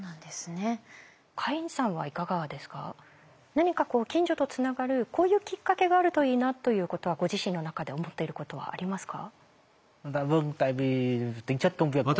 何か近所とつながるこういうきっかけがあるといいなということはご自身の中で思っていることはありますか？